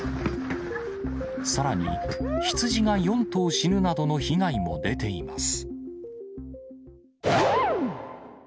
さらに、羊が４頭死ぬなどの被害も出ています。